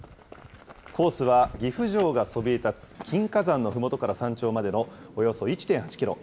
コースは岐阜城がそびえ立つ、金華山のふもとから山頂までのおよそ１．８キロ。